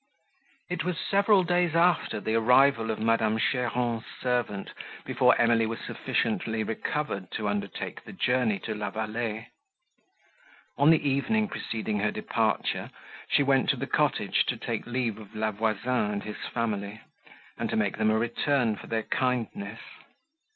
It was several days after the arrival of Madame Cheron's servant before Emily was sufficiently recovered to undertake the journey to La Vallée. On the evening preceding her departure, she went to the cottage to take leave of La Voisin and his family, and to make them a return for their kindness.